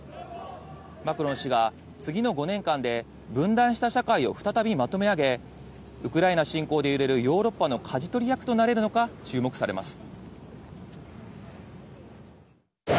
マクロン氏が、次の５年間で分断した社会を再びまとめ上げ、ウクライナ侵攻で揺れるヨーロッパのかじ取り役となれるのか、注目されます。